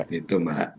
seperti itu mbak